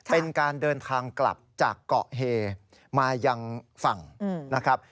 เป็นการเดินทางกลับจากเกาะเฮมายังฝั่งนะครับ